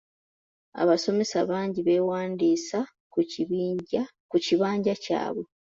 Abasomesa bangi beewandiisa ku kibanja kyabwe.